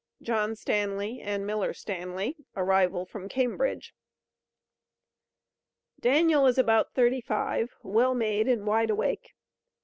John Stanly and Miller Stanly (arrival from Cambridge.) Daniel is about 35, well made and wide awake.